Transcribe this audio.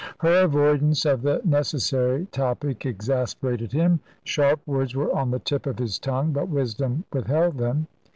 Her avoidance of the necessary topic exasperated him. Sharp words were on the tip of his tongue, but wisdom withheld them.